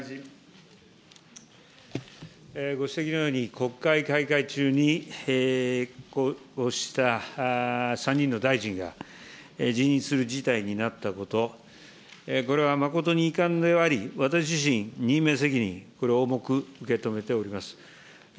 ご指摘のように、国会開会中にこうした３人の大臣が辞任する事態になったこと、これは誠に遺憾であり、私自身、任命責任、これを重く受け止めております。